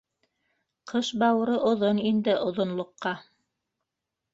Ҡыш бауыры оҙон инде оҙонлоҡҡа...